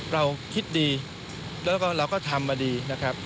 เราคิดดีแล้วก็เราก็ทำมาดีนะครับ